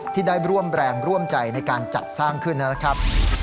ที่ได้ร่วมแรงร่วมใจในการจัดสร้างขึ้นนะครับ